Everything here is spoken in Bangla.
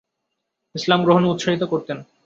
ইসলাম গ্রহণে উৎসাহিত করতেন।